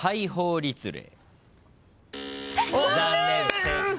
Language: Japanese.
残念不正解。